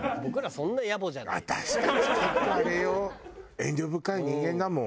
遠慮深い人間だもん。